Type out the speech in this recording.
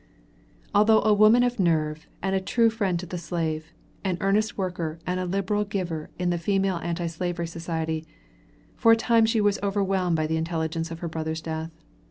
Although a woman of nerve, and a true friend to the slave, an earnest worker and a liberal giver in the Female Anti Slavery Society, for a time she was overwhelmed by the intelligence of her brother's death.